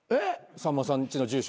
さんまさんちの住所。